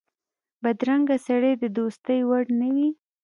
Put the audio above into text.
بدرنګه سړی د دوستۍ وړ نه وي